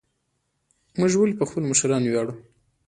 موږ ولې په خپلو مشرانو ویاړو؟